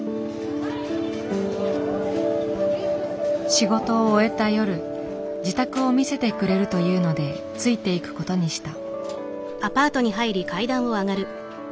仕事を終えた夜自宅を見せてくれるというのでついていくことにした。